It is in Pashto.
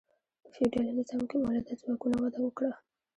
په فیوډالي نظام کې مؤلده ځواکونه وده وکړه.